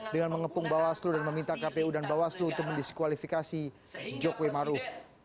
dengan mengepung bawaslu dan meminta kpu dan bawaslu untuk mendiskualifikasi jokowi maruf